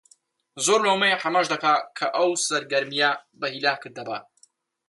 زۆر لۆمەی حەمەش دەکا کە ئەو سەرگەرمییە بە هیلاکت دەبا